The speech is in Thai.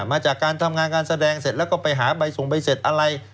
มาจากการทำงานการแสดงเสร็จแล้วก็ไปหาใบส่งใบเสร็จอะไร